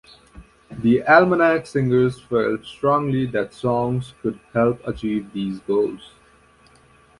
The Almanac Singers felt strongly that songs could help achieve these goals.